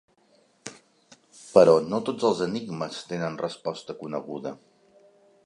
Però no tots els enigmes tenen resposta coneguda.